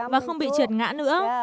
và không bị trượt ngã nữa